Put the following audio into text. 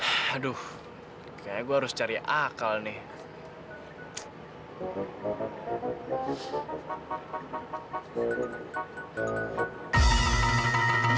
hai haduh kayak gue harus cari akal nih